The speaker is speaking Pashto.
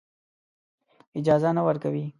اجازه نه ورکوي.